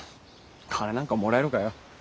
金なんかもらえるかよ。